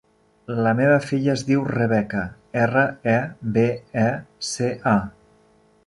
La meva filla es diu Rebeca: erra, e, be, e, ce, a.